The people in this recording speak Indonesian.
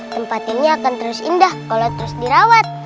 tempat ini akan terus indah kalau terus dirawat